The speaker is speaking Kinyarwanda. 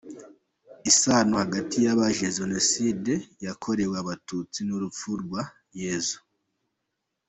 Isano hagati y’abazize Jenoside yakorewe Abatutsi n’urupfu rwa Yezu.